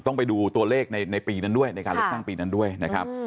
ต้องไปดูตัวเลขในปีนั้นด้วยในการเลือกตั้งปีนั้นด้วยนะครับ